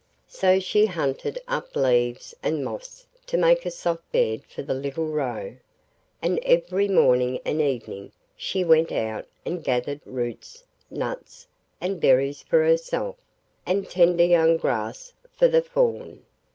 So she hunted up leaves and moss to make a soft bed for the little Roe, and every morning and evening she went out and gathered roots, nuts, and berries for herself, and tender young grass for the fawn.